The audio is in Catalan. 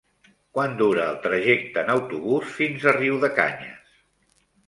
Quant dura el trajecte en autobús fins a Riudecanyes?